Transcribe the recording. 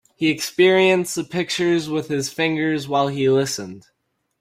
He experienced the pictures with his fingers while he listened.